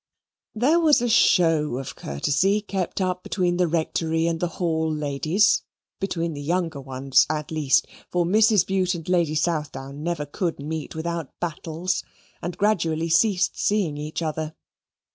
There was a show of courtesy kept up between the Rectory and the Hall ladies, between the younger ones at least, for Mrs. Bute and Lady Southdown never could meet without battles, and gradually ceased seeing each other.